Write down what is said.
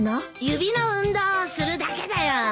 指の運動をするだけだよ。